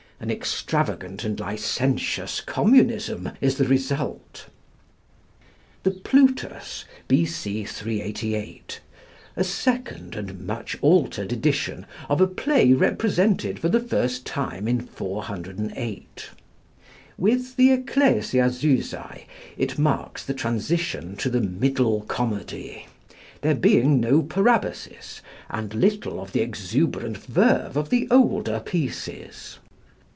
An extravagant and licentious communism is the result. The 'Plutus,' B.C. 388: a second and much altered edition of a play represented for the first time in 408. With the 'Ecclesiazusæ' it marks the transition to the Middle Comedy, there being no parabasis, and little of the exuberant verve of the older pieces.